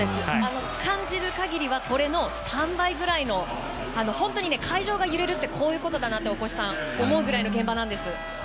感じる限りはこれの３倍くらいの本当に会場が揺れるってこういうことだなって思うくらいの現場なんです。